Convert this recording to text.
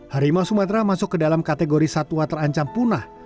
harimau sumatera masuk ke dalam kategori satwa terancam punah